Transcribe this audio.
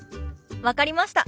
分かりました。